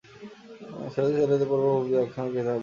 ছোট ছেলেদের পড়বার উপযুক্ত একখানাও কেতাব নেই।